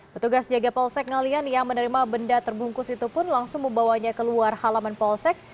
petugas jaga polsek ngalian yang menerima benda terbungkus itu pun langsung membawanya keluar halaman polsek